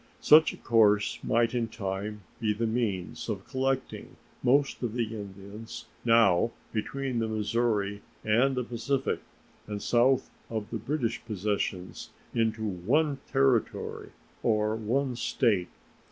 Such a course might in time be the means of collecting most of the Indians now between the Missouri and the Pacific and south of the British possessions into one Territory or one State.